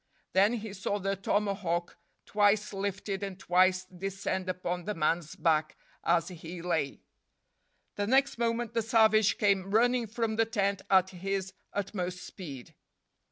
Then he saw the tomahawk twice lifted and twice descend upon the man's back as he lay. The next moment the savage came running from the tent at his utmost speed.